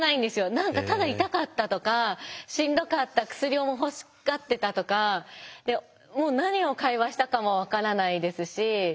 何かただ痛かったとかしんどかった薬を欲しがってたとか何を会話したかも分からないですし。